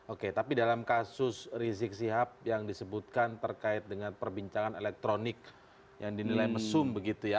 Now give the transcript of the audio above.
oke tapi dalam kasus rizik sihab yang disebutkan terkait dengan perbincangan elektronik yang dinilai mesum begitu ya